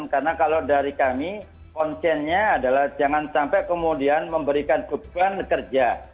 karena kalau dari kami konsepnya adalah jangan sampai kemudian memberikan beban kerja